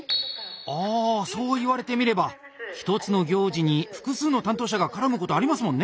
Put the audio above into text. ああそう言われてみれば１つの行事に複数の担当者がからむことありますもんね。